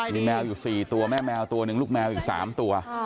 มีแมวอยู่๔ตัวแม่แมว๑ลูกแมวอีก๓ตัว